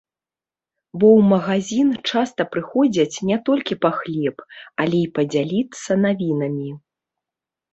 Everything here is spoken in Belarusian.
Бо ў магазін часта прыходзяць не толькі па хлеб, але і падзяліцца навінамі.